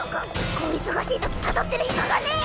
こう忙しいとたどってる暇がねぇ。